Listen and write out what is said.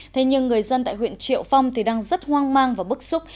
thế nhưng người dân tại huyện triệu phong thì đang rất hoang mang và bức xúc